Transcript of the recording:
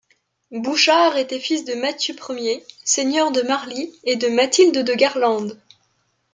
Bouchard était fils de Mathieu Ier, seigneur de Marly et de Mathilde de Garlande.